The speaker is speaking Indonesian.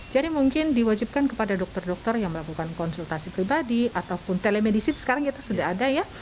jadi mungkin diwajibkan kepada dokter dokter yang melakukan konsultasi pribadi ataupun telemedicine sekarang kita sudah ada ya